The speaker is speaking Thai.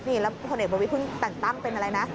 นี่แล้วพลเอกประวิทยเพิ่งแต่งตั้งเป็นอะไรนะ